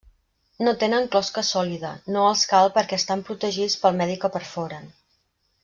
No tenen closca sòlida; no els cal perquè estan protegits pel medi que perforen.